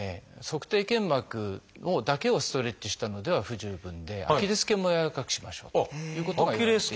足底腱膜だけをストレッチしたのでは不十分でアキレス腱もやわらかくしましょうということがいわれています。